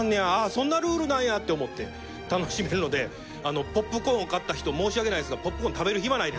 そんなルールなんや！って思って楽しめるのでポップコーン買った人申し訳ないですがポップコーン食べる暇ないです。